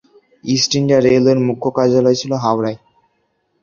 East India রেলওয়ের মুখ্য কার্যালয় ছিল হাওড়ায়।